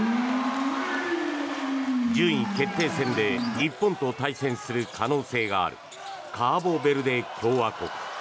順位決定戦で日本と対戦する可能性があるカボベルデ共和国。